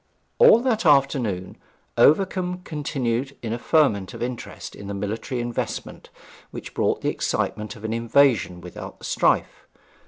All that afternoon Overcombe continued in a ferment of interest in the military investment, which brought the excitement of an invasion without the strife.